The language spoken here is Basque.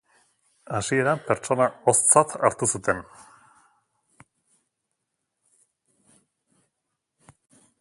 Hasieran pertsona hoztzat hartu zuten.